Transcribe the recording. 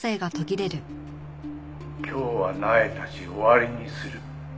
「今日はなえたし終わりにする」